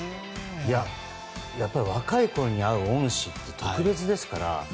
やっぱり若いころに会う恩師って特別ですから。